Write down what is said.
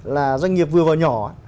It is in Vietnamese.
là doanh nghiệp vừa vào nhỏ